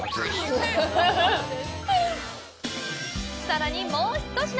さらに、もう一品！